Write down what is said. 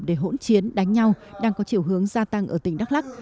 để hỗn chiến đánh nhau đang có chiều hướng gia tăng ở tỉnh đắk lắc